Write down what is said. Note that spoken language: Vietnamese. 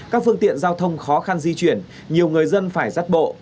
các phương tiện giao thông khó khăn di chuyển nhiều người dân phải rắt bộ